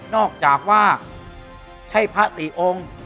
อกจากว่าใช่พระสี่องค์